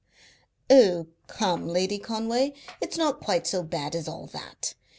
"Oh, come, Lady Conway! It's not quite so bad as all that.